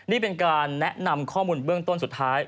นี่เป็นการแนะนำข้อมูลเบื้องต้นสุดท้าย